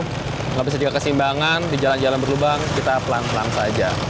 habis ketika kesimbangan di jalan jalan berlubang kita pelan pelan saja